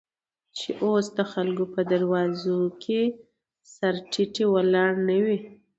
چې اوس دخلکو په دروازو، کې سر تيټى ولاړ نه وې.